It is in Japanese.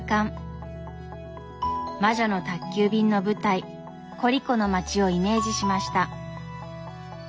「魔女の宅急便」の舞台コリコの町をイメージしました。